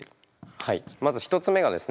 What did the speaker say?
はいまず１つ目がですね